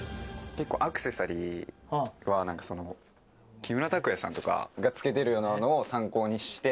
結構アクセサリーは、なんか、木村拓哉さんとかが付けているようなのを参考にして。